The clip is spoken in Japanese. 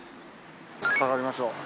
下がりましょう。